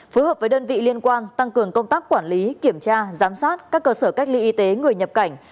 phối hợp với đơn vị liên quan tăng cường công tác quản lý kiểm tra giám sát các cơ sở cách ly y tế người nhập cảnh